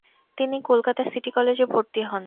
তিনি কলকাতা সিটি কলেজে ভর্তি হন।